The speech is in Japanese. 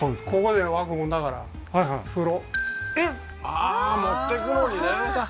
ああー持ってくのにね